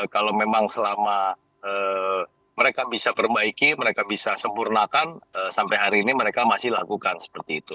kalau memang selama mereka bisa perbaiki mereka bisa sempurnakan sampai hari ini mereka masih lakukan seperti itu